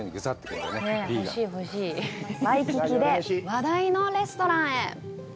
ワイキキで話題のレストランへ。